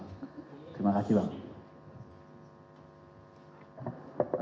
oke terima kasih mas indra